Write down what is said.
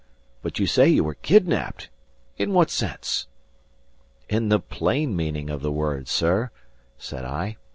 But you say you were kidnapped; in what sense?" "In the plain meaning of the word, sir," said I.